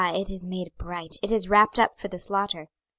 it is made bright, it is wrapped up for the slaughter.